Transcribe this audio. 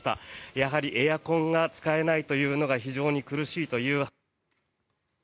やはりエアコンが使えないというのが非常に苦しいという。